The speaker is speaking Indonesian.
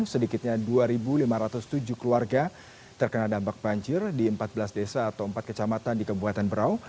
sedikitnya dua lima ratus tujuh keluarga terkena dampak banjir di empat belas desa atau empat kecamatan di kabupaten berau